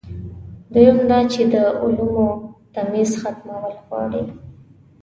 دویم دا چې د علومو تمیز ختمول غواړي.